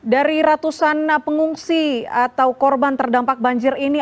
dari ratusan pengungsi atau korban terdampak banjir ini